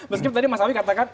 meskipun tadi mas awi katakan